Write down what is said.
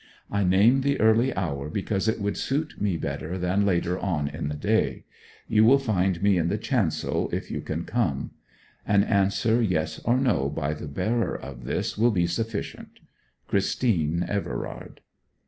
I name the early hour because it would suit me better than later on in the day. You will find me in the chancel, if you can come. An answer yes or no by the bearer of this will be sufficient. CHRISTINE EVERARD.